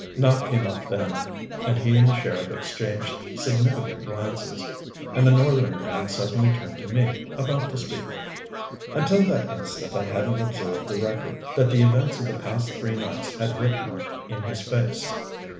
Nopp came up then, and he and the sheriff exchanged significant glances. And the northern man suddenly turned to me, about to speak. Until that instant I hadn't observed the record that the events of the past three nights had written in his face.